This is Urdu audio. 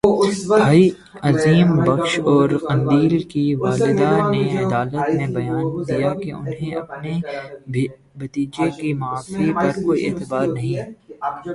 بھائی عظیم بخش اور قندیل کی والدہ نے عدالت میں بیان دیا کہ انہیں اپنے بھتیجے کی معافی پر کوئی اعتبار نہیں